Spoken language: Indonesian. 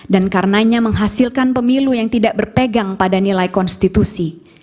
dan karenanya menghasilkan pemilu yang tidak berpegang pada nilai konstitusi